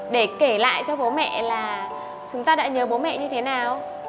để kể lại cho bố mẹ là chúng ta đã nhớ bố mẹ như thế nào